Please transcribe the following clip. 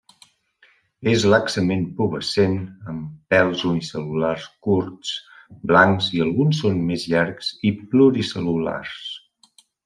És laxament pubescent amb pèls unicel·lulars curts, blancs i alguns són més llargs i pluricel·lulars.